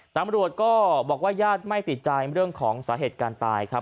ตำรวจก็บอกว่าญาติไม่ติดใจเรื่องของสาเหตุการณ์ตายครับ